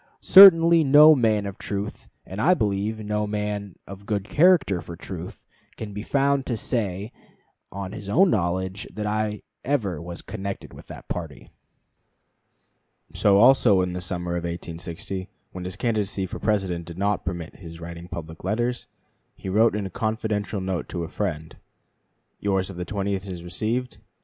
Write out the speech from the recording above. Certainly no man of truth, and I believe no man of good character for truth, can be found to say on his own knowledge that I ever was connected with that party." Lincoln to Hon. A. Jonas, July 21, 1860. MS. So also in the summer of 1860, when his candidacy for President did not permit his writing public letters, he wrote in a confidential note to a friend: "Yours of the 20th is received.